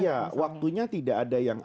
iya waktunya tidak ada yang